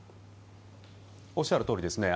おっしゃるとおりです。